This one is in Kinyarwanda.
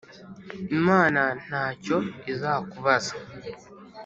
Imana nta cyo izakubaza